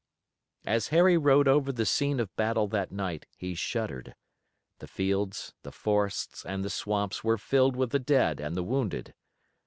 As Harry rode over the scene of battle that night he shuddered. The fields, the forests and the swamps were filled with the dead and the wounded.